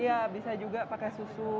iya bisa juga pakai susu